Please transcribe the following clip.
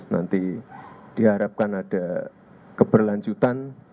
nanti diharapkan ada keberlanjutan